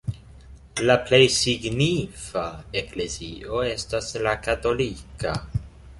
La plej signifa eklezio estas la katolika.